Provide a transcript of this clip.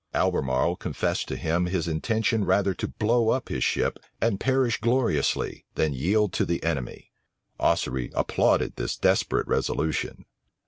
Albemarle confessed to him his intention rather to blow up his ship and perish gloriously, than yield to the enemy. Ossory applauded this desperate resolution.